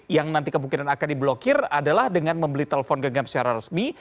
yang nanti kemungkinan akan diblokir adalah dengan membeli telepon genggam secara resmi